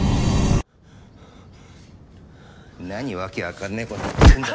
何訳分かんねえこと言ってんだ！